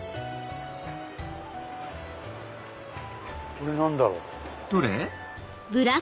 これ何だろう？どれ？